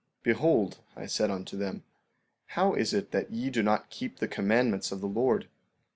15:10 Behold, I said unto them: How is it that ye do not keep the commandments of the Lord?